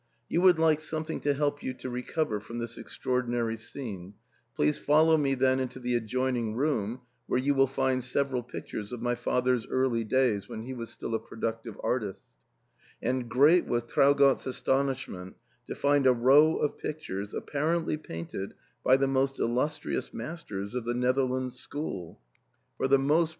You would like something to help you to recover from this extraordina ry scene; please follow me then into the adjoining room, where you will find several pictures of my father's early days, when he was still a productive artist" And great was Traugott's astonishment to find a row of pictures apparently painted by the most illustrious masters of the Netherlands ScYiooV Yox ^^ Tsvof^x.^^'^as^.